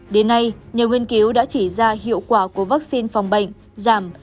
đến nay nhiều nghiên cứu đã chỉ ra hiệu quả của vaccine phòng bệnh giảm